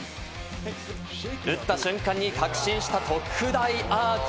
打った瞬間に確信した特大アーチ。